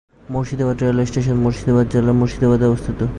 Murshidabad railway station Murshidabad জেলার মুর্শিদাবাদে অবস্থিত।